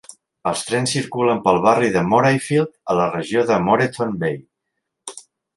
Els trens circulen pel barri de Morayfield, a la regió de Moreton Bay.